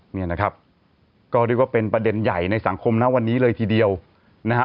เนี่ยนะครับก็เรียกว่าเป็นประเด็นใหญ่ในสังคมนะวันนี้เลยทีเดียวนะฮะ